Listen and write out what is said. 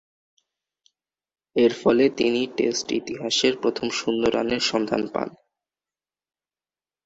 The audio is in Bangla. এরফলে তিনি টেস্ট ইতিহাসের প্রথম শূন্য রানের সন্ধান পান।